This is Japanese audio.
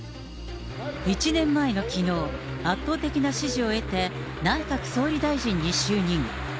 １年前のきのう、圧倒的な支持を得て、内閣総理大臣に就任。